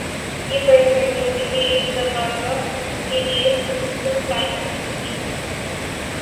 یہ فرض کرتے ہوئے کہ یہ استغاثہ کے لیے تسلسل قائم کر سکتی ہے